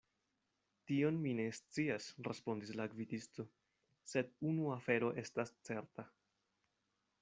Tion mi ne scias, respondis la gvidisto; sed unu afero estas certa.